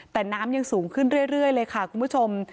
แต่น้ำยังสูงขึ้นเรื่อยเลยค่ะคุณผู้ชม